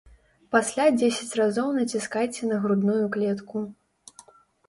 Пасля дзесяць разоў націскайце на грудную клетку.